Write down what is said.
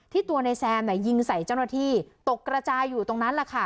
ตัวนายแซมยิงใส่เจ้าหน้าที่ตกกระจายอยู่ตรงนั้นแหละค่ะ